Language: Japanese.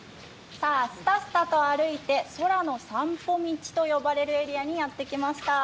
さあ、すたすたと歩いて空の散歩道と呼ばれるエリアにやってきました。